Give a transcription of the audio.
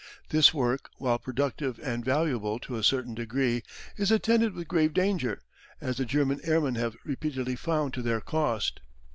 This work, while productive and valuable to a certain degree, is attended with grave danger, as the German airmen have repeatedly found to their cost.